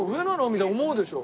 みたいに思うでしょ。